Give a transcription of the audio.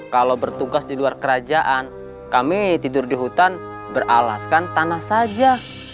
kalau bertugas di luar kerajaan kami tidur di hutan beralaskan tanah saja